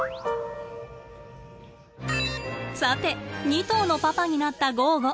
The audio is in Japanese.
さて２頭のパパになったゴーゴ。